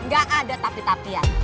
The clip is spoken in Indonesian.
gak ada tapi tapian